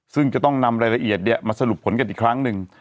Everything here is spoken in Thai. ซึ่งจะต้องนำรายละเอียดมาสรุปผลกันอีกครั้งหนึ่ง